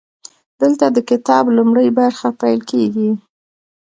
دلته د کتاب لومړۍ برخه پیل کیږي.